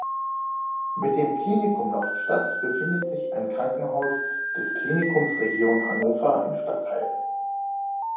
Mit dem Klinikum Nordstadt befindet sich ein Krankenhaus des Klinikums Region Hannover im Stadtteil.